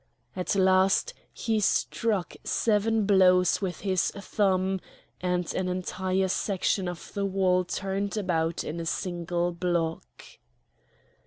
At last he struck seven blows with his thumb, and an entire section of the wall turned about in a single block.